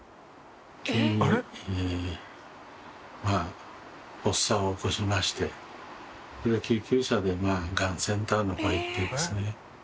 急にまあ発作を起こしましてそれで救急車でがんセンターの方へ行ってですね